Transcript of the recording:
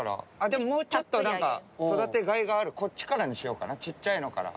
でももうちょっと何か育てがいがあるこっちからにしようかなちっちゃいのから。